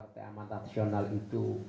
pertama nasional itu